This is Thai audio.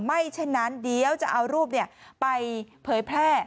ไม่เช่นนั้นเดี๋ยวจะเอารูปไปเผยแพร่